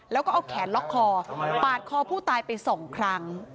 แล้วก็เอาแขนล็อกคอปาดคอผู้ตายไปสองครั้ง